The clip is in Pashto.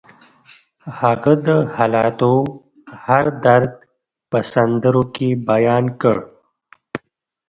هغه د حالاتو هر درد په سندرو کې بیان کړ